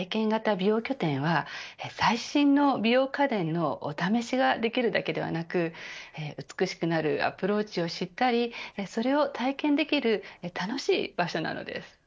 美容拠点は最新の美容家電のお試しができるだけではなく美しくなるアプローチを知ったりそれを体験できる楽しい場所なのです。